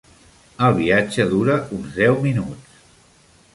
El viatge dura uns deu minuts.